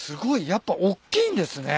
やっぱおっきいんですね